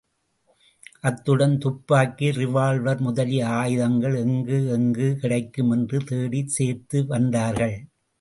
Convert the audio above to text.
அத்துடன் துப்பாக்கி, ரிவால்வர் முதலிய ஆயுதங்கள் எங்கு எங்கு கிடைக்கும் என்று தேடிச் சேர்த்து வந்தார்கள்.